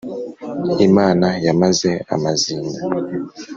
imana yamaze amazinda